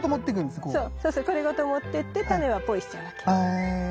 そうそうそうこれごと持ってって種はポイしちゃうわけ。へ。